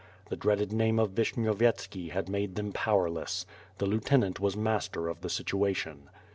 The dreaded name of Vishnyovyetski had made them powerless. The lieutenant was master of the situation.